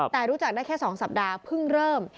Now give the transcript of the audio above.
แต่รู้จักได้แค่๒สัปดาห์เพิ่งเริ่ม